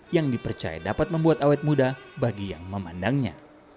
yang dipercaya dapat membuat awet muda bagi yang memandangnya